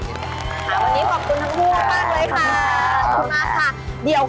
วันนี้ขอบคุณทั้งพวกมากเลยค่ะ